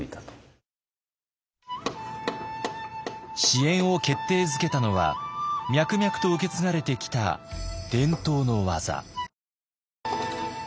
支援を決定づけたのは脈々と受け継がれてきた伝統の技。